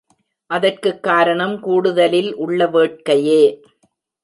அதற்குக் காரணம் கூடுதலில் உள்ள வேட்கையே.